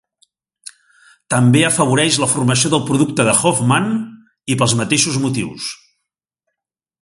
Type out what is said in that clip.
També afavoreix la formació del producte de Hofmann, i pels mateixos motius.